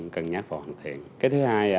cân nhắc vào hoàn thiện cái thứ hai